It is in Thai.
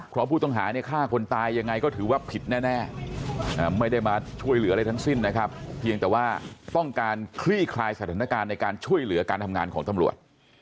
เพราะผู้ต้องหาเนี่ยฆ่าคนตายยังไงก็ถือว่าผิดแน่ไม่ได้มาช่วยเหลืออะไรทั้งสิ้นนะครับเพียงแต่ว่าต้องการคลี่คลายสถานการณ์ในการช่วยเหลือการทำงานของตำรวจ